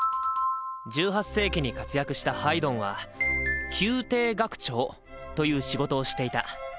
１８世紀に活躍したハイドンは「宮廷楽長」という仕事をしていた。